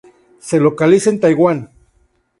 Se localiza en Taiwán.